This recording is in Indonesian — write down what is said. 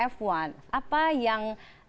f satu apa yang